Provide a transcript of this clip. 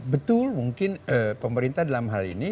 betul mungkin pemerintah dalam hal ini